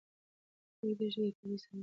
د ریګ دښتې یو طبعي ثروت دی.